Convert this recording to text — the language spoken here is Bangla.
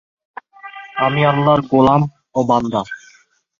সোনার সিস্টেম এবং ক্যামেরা খনি সনাক্ত করতে ব্যর্থ হয়েছে।